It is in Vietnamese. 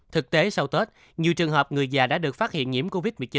thực tế sau tết nhiều trường hợp người già đã được phát hiện nhiễm covid một mươi chín